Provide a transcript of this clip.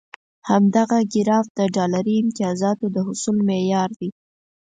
همدغه ګراف د ډالري امتیازاتو د حصول معیار وي.